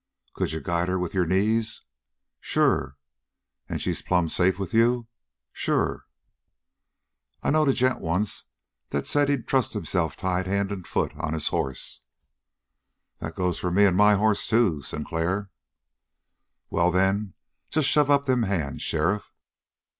"Could you guide her with your knees?" "Sure." "And she's plumb safe with you?" "Sure." "I know a gent once that said he'd trust himself tied hand and foot on his hoss." "That goes for me and my hoss, too, Sinclair." "Well, then, just shove up them hands, sheriff!"